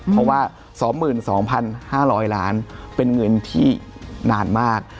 เพราะว่า๒๒๕๐๐ล้านเป็นเงินที่นานมาก